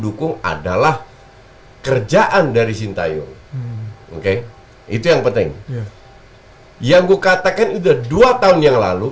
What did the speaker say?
dukung adalah kerjaan dari sintayong oke itu yang penting yang gue katakan udah dua tahun yang lalu